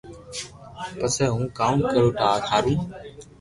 پسي ھون ڪاوُ ڪرو ٿارو